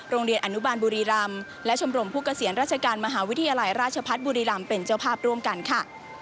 โรงเรียนอนุบาลบุรีรำและชมรมผู้เกษียณราชการมหาวิทยาลัยราชพัฒน์บุรีรำเป็นเจ้าภาพร่วมกันค่ะ